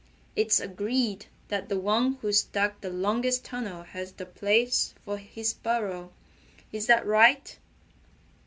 It's agreed that the one who's dug the longest tunnel has the place for his burrow. Is that right?"